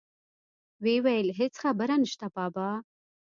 ويې ويل هېڅ خبره نشته بابا.